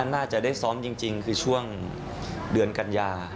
น่าจะได้ซ้อมจริงคือช่วงเดือนกันยา